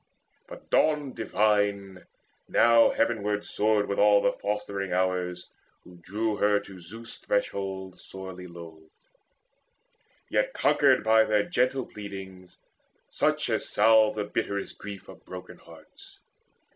But Dawn divine Now heavenward soared with the all fostering Hours, Who drew her to Zeus' threshold, sorely loth, Yet conquered by their gentle pleadings, such As salve the bitterest grief of broken hearts.